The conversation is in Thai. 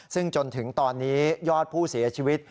ซึ่งจนถึงตอนนี้ยอดผู้เสียชีวิต